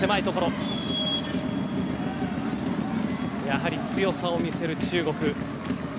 やはり強さを見せる中国。